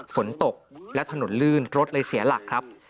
ฝนตกและถนนลื่นรถเลยเสียหลักครับ